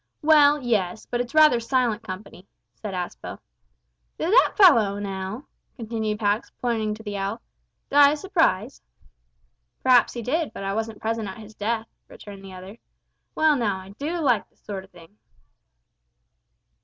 "Well, yes; but it's rather silent company," said Aspel. "Did that fellow, now," continued Pax, pointing to the owl, "die of surprise?" "Perhaps he did, but I wasn't present at his death," returned the other. "Well, now, I do like this sort o' thing."